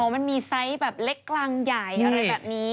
มันมีไซส์แบบเล็กกลางใหญ่อะไรแบบนี้